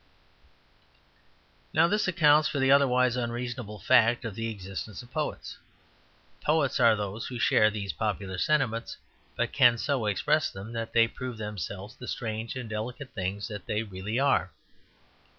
Now, this accounts for the otherwise unreasonable fact of the existence of Poets. Poets are those who share these popular sentiments, but can so express them that they prove themselves the strange and delicate things that they really are.